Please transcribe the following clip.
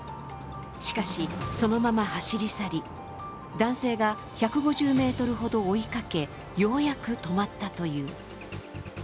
しかし、そのまま走り去り、男性が１５０ｍほど追いかけ、ようやく止まったという。